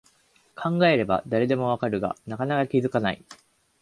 考えれば誰でもわかるが、なかなか気づかない